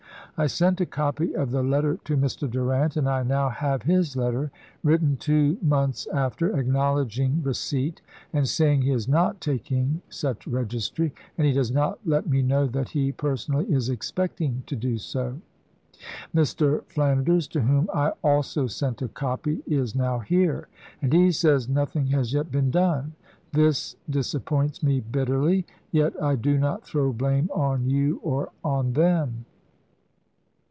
I sent a copy of the letter to Mr. Durant, and I now have his letter, written two months after, acknowledging receipt, and saying he is not taking such registry ; and he does not let me know that he personally is expecting to do so. Mr. Flanders, to whom I also sent a copy, is now here, and he says nothing has yet been done. This disappoints me bitterly; yet I do not throw blame on you or on them.